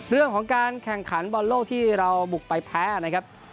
เรื่องของการแข่งขันบอลโลกที่เราบุกไปแพ้นะครับ